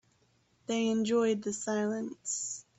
They enjoyed the silence.